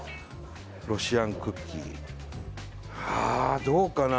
ロシアンクッキーああーどうかな